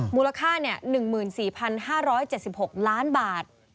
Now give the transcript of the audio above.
มูลค่า๑๔๕๗๖ล้านบาท